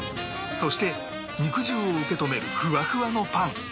そして肉汁を受け止めるふわふわのパン